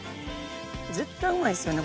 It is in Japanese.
絶対うまいですよね。